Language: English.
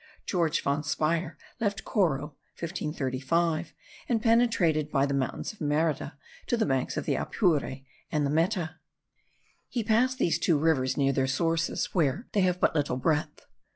George von Speier left Coro (1535), and penetrated by the mountains of Merida to the banks of the Apure and the Meta. He passed these two rivers near their sources, where they have but little breadth.